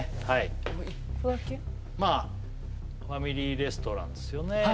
はいまあファミリーレストランですよね